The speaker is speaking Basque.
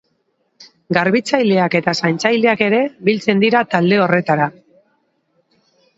Garbitzaileak eta zaintzaileak ere biltzen dira talde horretara.